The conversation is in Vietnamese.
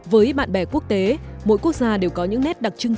với bạn bè quốc tế mỗi quốc gia đều có những nét đặc trưng